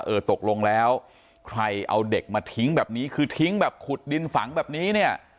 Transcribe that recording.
ตกลงแล้วใครเอาเด็กมาทิ้งแบบนี้คือทิ้งแบบขุดดินฝังแบบนี้เนี่ย